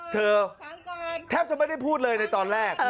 แทบจะไม่ได้พูดเลยในตอนแรก